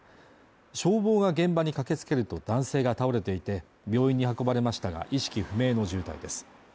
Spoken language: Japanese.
消防が現場に駆けつけると男性が倒れていて病院に運ばれましたが意識不明の重体です